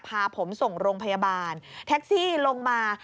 พาผมส่งโรงพยาบาลแท็กซี่ลงมา